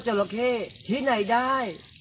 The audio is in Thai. จระแค่ที่ไหนได้